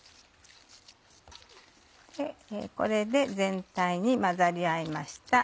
これで全体に混ざり合いました。